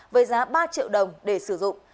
với giá ba triệu đồng để sử dụng